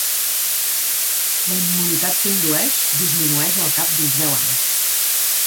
La immunitat que indueix disminueix al cap d'uns deu anys.